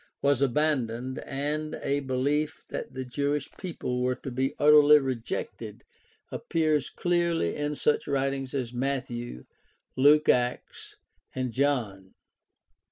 was abandoned, and a belief that the Jewish people were to be utterly rejected appears clearly in such writings as Matthew, Luke Acts, and John.